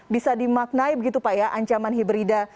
bisa dimaknai begitu pak ya ancaman hibrida